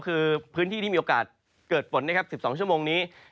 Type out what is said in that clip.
คือพื้นที่ที่มีโอกาสเกิดฝนนะครับ๑๒ชั่วโมงนี้